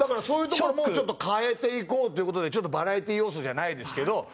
そういうところもちょっと変えていこうっていう事でバラエティー要素じゃないですけど。